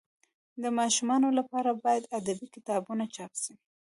د ماشومانو لپاره باید ادبي کتابونه چاپ سي.